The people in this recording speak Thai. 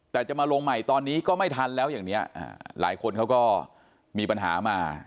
แต่จะมาลงใหม่ตอนนี้ก็ไม่ทันแล้วอย่างนี้หลายคนเขาก็มีปัญหามา